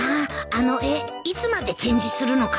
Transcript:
あの絵いつまで展示するのかな？